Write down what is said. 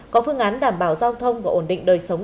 có phương án đảm bảo giao thông và ổn định đời sống